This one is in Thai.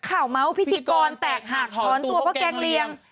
เมาส์พิธีกรแตกหักถอนตัวเพราะแกงเลียง